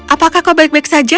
apakah kau baik baik saja